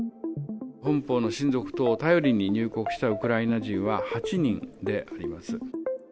本邦の親族等を頼りに入国したウクライナ人は８人であります。